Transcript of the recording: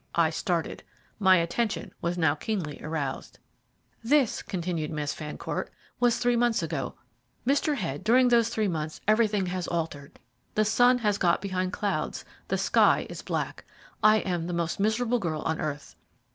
I started. My attention was now keenly aroused. "This," continued Miss Fancourt, "was three months ago. Mr. Head, during those three months everything has altered, the sun has got behind clouds, the sky is black. I am the most miserable girl on earth."